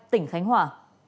tỉnh khánh hòa